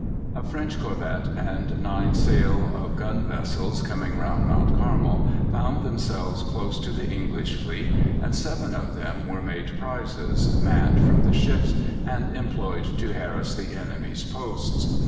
A French corvette and nine sail of gun vessels coming round Mount Carmel, found themselves close to the English fleet, and seven of them were made prizes, manned from the ships, and employed to harass the enemy's posts.